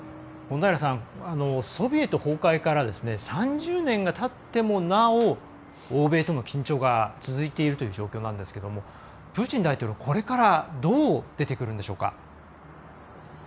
ソビエト崩壊から３０年がたってもなお欧米との緊張が続いているということなんですけどプーチン大統領、これからどう出てくるんでしょうか？